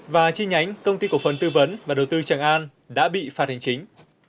và chi nhánh công ty cổ phần tư vấn và đầu tư tràng an đã bị phạt hành chính